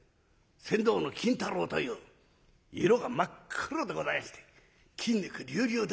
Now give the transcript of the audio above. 船頭の金太郎という色が真っ黒でございまして筋肉隆々でございまして。